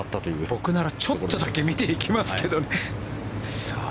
僕ならちょっとだけ見ていきますけど。